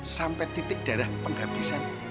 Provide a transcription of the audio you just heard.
sampai titik darah penghabisan